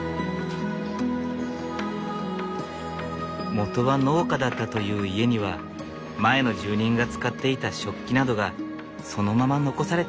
元は農家だったという家には前の住人が使っていた食器などがそのまま残されていた。